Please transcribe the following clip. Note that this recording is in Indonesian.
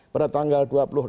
pada tanggal dua puluh enam